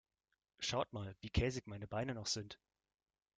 Schaut mal, wie käsig meine Beine noch sind.